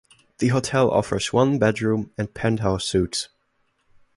The hotel offers one bedroom and penthouse suites.